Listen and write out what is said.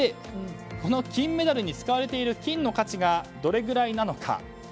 この金メダルに使われている金の価値がどれぐらいなのか。